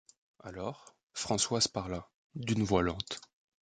Alors, Françoise parla, d’une voix lente.